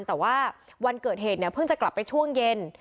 แต่ว่าวันเกิดเหตุเนี่ยเพิ่งจะกลับไปช่วงเย็น